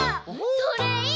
それいい！